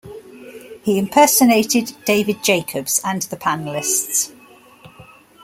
He impersonated David Jacobs and the panellists.